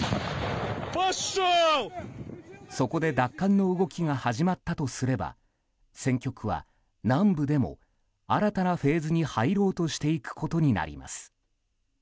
そこで奪還の動きが始まったとすれば戦局は南部でも新たなフェーズに入ろうとしていくことになります。